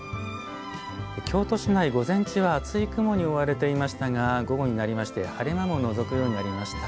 京都市内、午前中は厚い雲に覆われていましたが午後になりまして晴れ間ものぞくようになりました。